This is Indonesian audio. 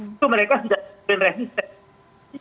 itu mereka sudah disiplin resisten